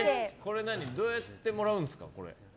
どうやってもらうんですか？